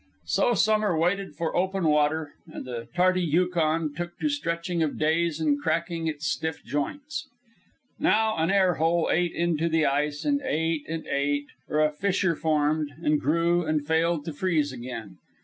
So summer waited for open water, and the tardy Yukon took to stretching of days and cracking its stiff joints. Now an air hole ate into the ice, and ate and ate; or a fissure formed, and grew, and failed to freeze again.